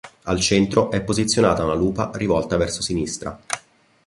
Al centro è posizionata una lupa rivolta verso sinistra.